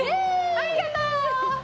ありがとう！